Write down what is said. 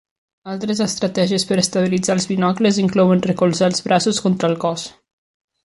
Altres estratègies per estabilitzar els binocles inclouen recolzar els braços contra el cos.